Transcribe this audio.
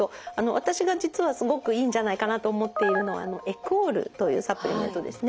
私が実はすごくいいんじゃないかなと思っているのはエクオールというサプリメントですね。